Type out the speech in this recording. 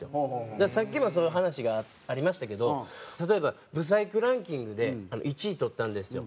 だからさっきもその話がありましたけど例えばブサイクランキングで１位とったんですよ。